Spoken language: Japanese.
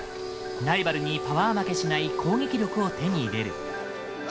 ライバルにパワー負けしない攻撃力を手に入れる。